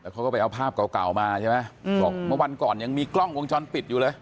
เขาก็ไปเอาภาพเก่ามาใช่ไหมบอกเมื่อวันก่อนยังมีกล้องวงจรปิดอยู่เลย